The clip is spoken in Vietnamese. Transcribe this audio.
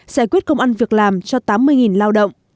giải quyết công ăn việc làm cho tám mươi lao động